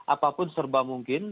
apapun serba mungkin